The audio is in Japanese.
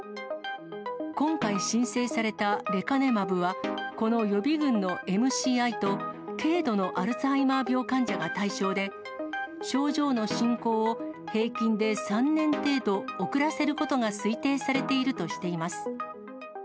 今回申請されたレカネマブは、この予備軍のＭＣＩと、軽度のアルツハイマー病患者が対象で、症状の進行を平均で３年程度、遅らせることが推定されているとしています。